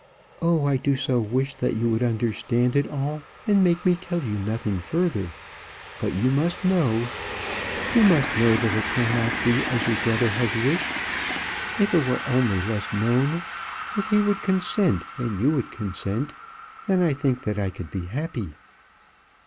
Oh! I do so wish that you would understand it all, and make me tell you nothing further. But you must know, you must know that it cannot be as your brother has wished. If it were only less known, if he would consent and you would consent, then I think that I could be happy.